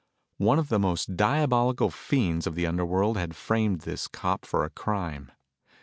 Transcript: One of the most diabolical fiends of the underworld had framed this cop for a crime.